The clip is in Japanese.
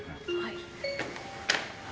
はい。